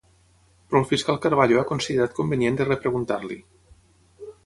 Però el fiscal Carballo ha considerat convenient de repreguntar-l'hi.